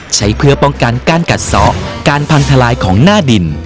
ใช้เพื่อป้องกันการกัดซ้อการพังทลายของหน้าดิน